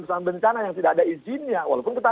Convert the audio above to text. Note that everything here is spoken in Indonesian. perusahaan bencana yang tidak ada izinnya walaupun kita